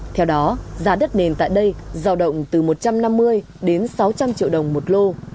theo đó giá đất nền tại đây giao động từ một trăm năm mươi đến sáu trăm linh triệu đồng một lô